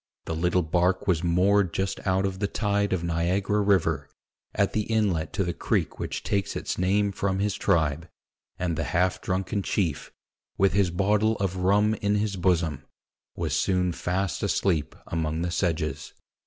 The little bark was moored just out of the tide of Niagara river, at the inlet to the creek which takes its name from his tribe, and the half drunken chief, with his bottle of rum in his bosom, was soon fast asleep among the sedges.